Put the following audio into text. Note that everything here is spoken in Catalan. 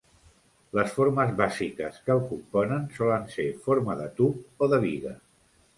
Les formes bàsiques que el componen solen ser forma de tub o de biga.